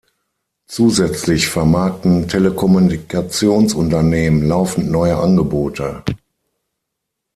Zusätzlich vermarkten Telekommunikationsunternehmen laufend neue Angebote.